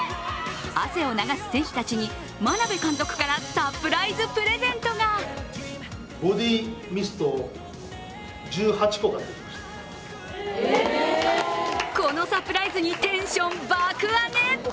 汗を流す選手たちに、眞鍋監督からサプライズプレゼントがこのサプライズにテンション爆上げ。